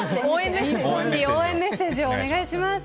応援メッセージをお願いします。